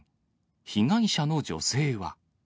被害者の女性は。